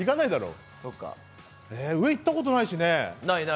上行ったことないしね。